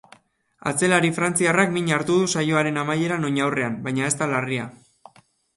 Atzelari frantziarrak min hartu du saioaren amaieran oin-aurrean, baina ez da larria.